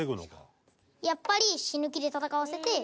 やっぱり。